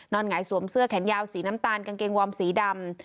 หงายสวมเสื้อแขนยาวสีน้ำตาลกางเกงวอร์มสีดำ